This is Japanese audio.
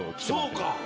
そうか。